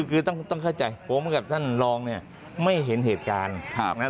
คือต้องเข้าใจผมกับท่านรองไม่เห็นเหตุการณ์